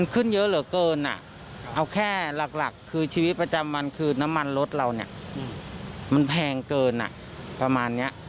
คือชีวิตประจำวันคือน้ำมันรสเรามันแพงเกินประมาณนี้